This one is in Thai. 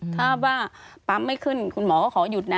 ถ้าว่าปั๊มไม่ขึ้นคุณหมอก็ขอหยุดนะ